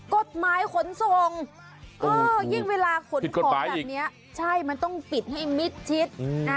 กฎไม้ขนทรงเออยิ่งเวลาขนของแบบเนี้ยใช่มันต้องปิดให้มิดชิดอืม